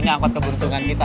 ini angkot keberuntungan kita